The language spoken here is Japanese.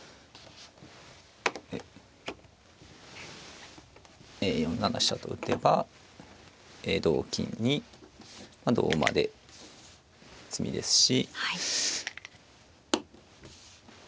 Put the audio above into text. え４七飛車と打てば同金に同馬で詰みですし。